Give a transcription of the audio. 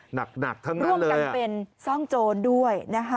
หนักทั้งนั้นเลยอ่ะอืมร่วมกันเป็นซ่องโจรด้วย